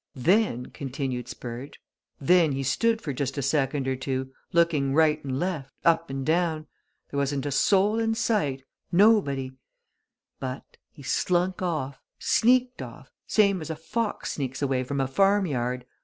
"Then," continued Spurge. "Then he stood for just a second or two, looking right and left, up and down. There wasn't a soul in sight nobody! But he slunk off sneaked off same as a fox sneaks away from a farm yard.